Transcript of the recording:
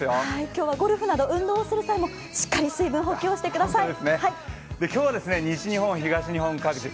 今日はゴルフなど運動をする際もしっかりと水分補給してください。